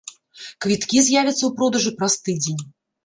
Квіткі з'явяцца ў продажы праз тыдзень.